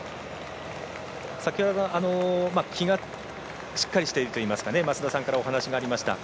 先ほど、気がしっかりしていると増田さんからお話がありました。